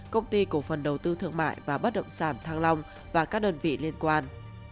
công ty cổ phần đầu tư thương mại và bất động sản thăng long và các đơn vị liên quan